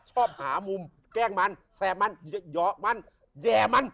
ชอบหามุมแกล้งมันแต่มันเยอะมันแย่มัน